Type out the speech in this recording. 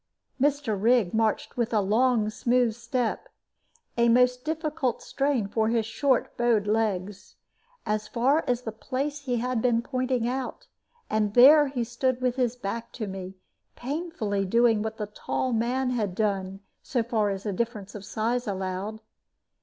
Mr. Rigg marched with a long smooth step a most difficult strain for his short bowed legs as far as the place he had been pointing out; and there he stood with his back to me, painfully doing what the tall man had done, so far as the difference of size allowed.